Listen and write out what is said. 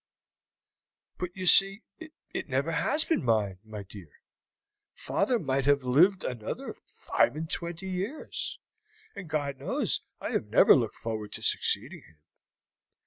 "But you see it never has been mine, my dear. Father might have lived another five and twenty years, and God knows I have never looked forward to succeeding him.